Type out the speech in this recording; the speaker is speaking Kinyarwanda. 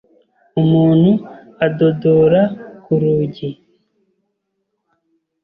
Umuntu adodora ku rugi.